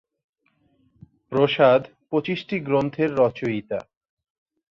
প্রসাদ পঁচিশটি গ্রন্থের রচয়িতা।